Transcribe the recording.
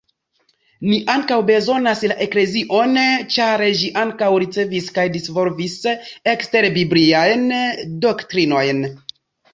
Ni ankaŭ bezonas la eklezion, ĉar ĝi ankaŭ ricevis kaj disvolvis ekster-bibliajn doktrinojn.